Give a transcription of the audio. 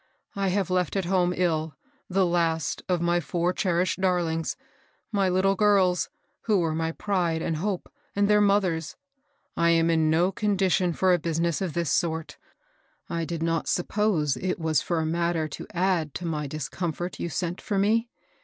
I have left at home, ill, the last of my four cherished darlings, — my little girls, who were my pride and hope, and their mothr er's. I am in no condition for a business of this sort. I did not suppose it wa3 for a mat ter to add to my discomfort you sent for me.